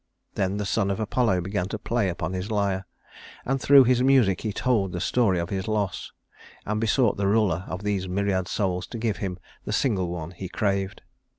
Then the son of Apollo began to play upon his lyre, and through his music he told the story of his loss, and besought the ruler of these myriad souls to give him the single one he craved.